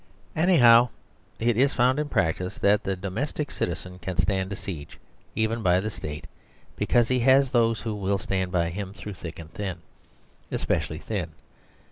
Anyhow, it is found in practice that the domestic citizen can stand a siege, even by the State ; because he has those who will stand by him through thick and thin — especially thin.